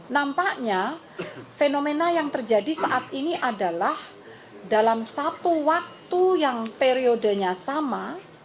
nampaknya fenomena yang terjadi saat ini adalah dalam satu waktu yang periodenya sama